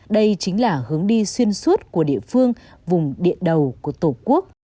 đây chính là hướng đi xuyên suốt của địa phương vùng địa đầu của tổ quốc